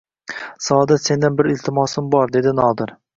Saodat, sendan bir iltimosim bor, dedi Nodir